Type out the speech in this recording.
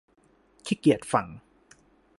ขี้เกียจฟัง